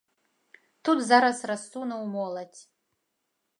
Тут зараз рассунуў моладзь.